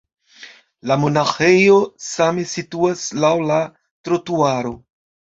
La monaĥejo same situas laŭ la trotuaro.